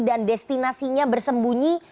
dan destinasinya bersembunyi